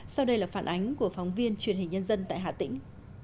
sau đây là phản ánh của phóng viên truyền hình nhân dân tại hà tĩnh